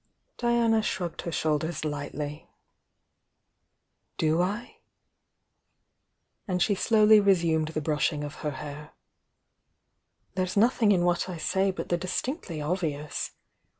Diana shrugged her shoulders lightly. "Do I?" and she slowly resumed the brushing of her hair. "There's nothing in what I say but the distinctly obvious.